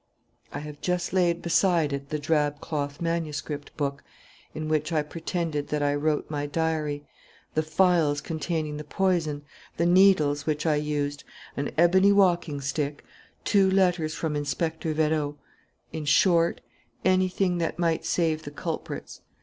"I have just laid beside it the drab cloth manuscript book in which I pretended that I wrote my diary, the phials containing the poison, the needles which I used, an ebony walking stick, two letters from Inspector Vérot, in short, anything that might save the culprits.